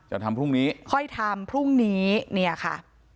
จะทำพรุ่งนี้ค่อยทำพรุ่งนี้เนี่ยค่ะ